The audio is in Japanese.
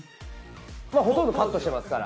まあほとんどカットしてますから。